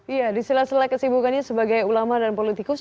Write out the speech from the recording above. iya disilas silas kesibukannya sebagai ulama dan politikus